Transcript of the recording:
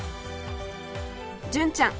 純ちゃん